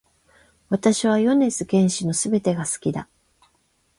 私は米津玄師の全てが好きだ